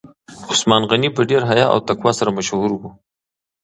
عثمان غني په ډیر حیا او تقوا سره مشهور و.